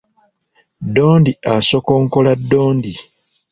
Ddondi asokonkola ddondi.